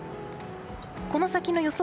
この先の予想